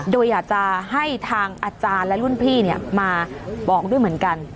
โดยอยากจะให้ทางอาจารย์และรุ่นพี่มาบอกด้วยเหมือนกัน